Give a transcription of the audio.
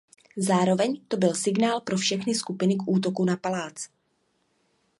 Zároveň to byl signál pro všechny skupiny k útoku na palác.